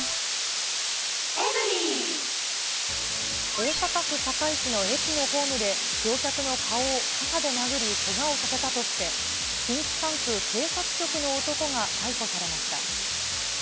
大阪府堺市の駅のホームで、乗客の顔を傘で殴り、けがをさせたとして、近畿管区警察局の男が逮捕されました。